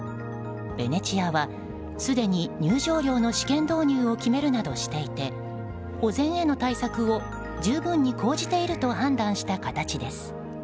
ベネチアは、すでに入場料の試験導入を決めるなどしていて保全への対策を十分に講じていると判断した形です。